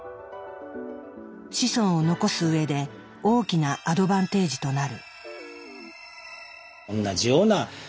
子孫を残す上で大きなアドバンテージとなる。